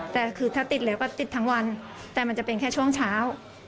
แต่คือถ้าติดแล้วก็ติดทั้งวันแต่มันจะเป็นแค่ช่วงเช้า